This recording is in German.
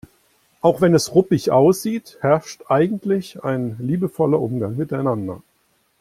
Auch wenn es ruppig aussieht, herrscht eigentlich ein liebevoller Umgang miteinander.